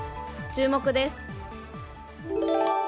注目です。